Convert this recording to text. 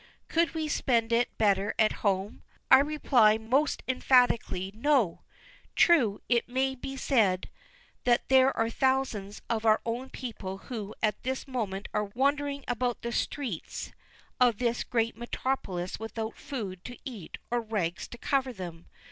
Could we spend it better at home? I reply most emphatically, No! True, it may be said that there are thousands of our own people who at this moment are wandering about the streets of this great metropolis without food to eat or rags to cover them.